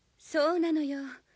そうなのよ